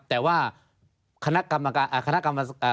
ใช่ครับแต่ว่า